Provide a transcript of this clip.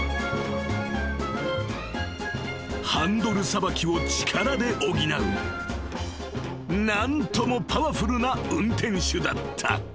［ハンドルさばきを力で補う何ともパワフルな運転手だった］